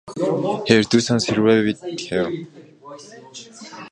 Her two sons survived her.